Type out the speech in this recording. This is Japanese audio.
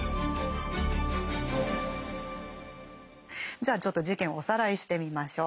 じゃあちょっと事件をおさらいしてみましょう。